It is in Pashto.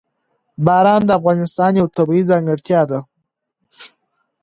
باران د افغانستان یوه طبیعي ځانګړتیا ده.